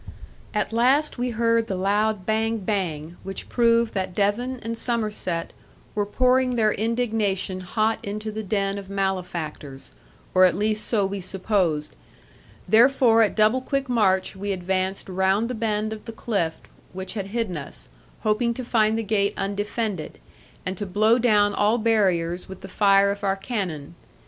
At last we heard the loud bang bang, which proved that Devon and Somerset were pouring their indignation hot into the den of malefactors, or at least so we supposed; therefore at double quick march we advanced round the bend of the cliff which had hidden us, hoping to find the gate undefended, and to blow down all barriers with the fire of our cannon.